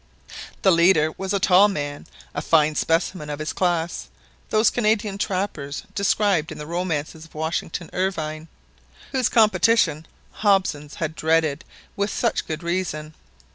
The leader was a tall man a fine specimen of his class those Canadian trappers described in the romances of Washington Irving, whose competition Hobson had dreaded with such good reason.